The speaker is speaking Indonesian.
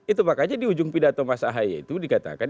itu makanya di ujung pidato mas ahaye itu dikatakan